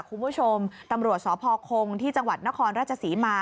คุณผู้ชมตำรวจสพคงที่จังหวัดนครราชศรีมา